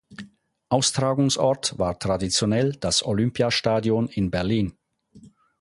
Austragungsort war traditionell das Olympiastadion in Berlin.